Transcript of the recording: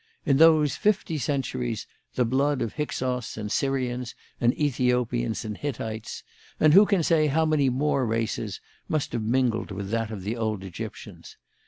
In those fifty centuries the blood of Hyksos and Syrians and Ethiopians and Hittites, and who can say how many more races, must have mingled with that of the old Egyptians.